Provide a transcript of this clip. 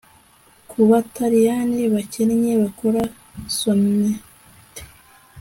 kubataliyani bakennye bakora sonnet